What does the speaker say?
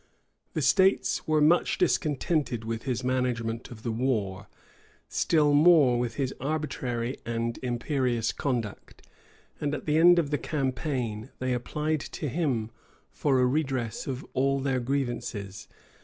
The states were much discontented with his management of the war; still more with his arbitrary and imperious conduct; and at the end of the campaign, they applied to him for a redress of all their grievances.